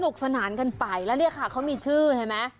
สนุกสะนานกันไปแล้วนี่ค่ะเขามีชื่อไหม